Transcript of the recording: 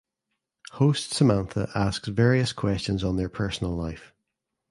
Host Samantha asks various questions on their personal life.